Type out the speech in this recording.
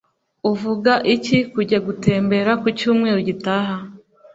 Uvuga iki kujya gutembera ku cyumweru gitaha?